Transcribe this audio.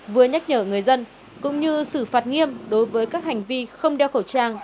vừa nhắc nhở người dân cũng như xử phạt nghiêm đối với các hành vi không đeo khẩu trang